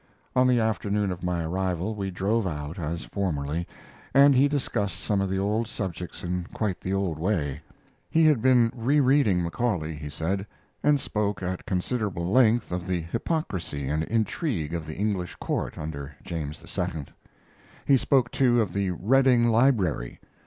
On the afternoon of my arrival we drove out, as formerly, and he discussed some of the old subjects in quite the old way. He had been rereading Macaulay, he said, and spoke at considerable length of the hypocrisy and intrigue of the English court under James II. He spoke, too, of the Redding Library.